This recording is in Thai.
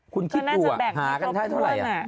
คุณคิดหัากันไทยเท่าไร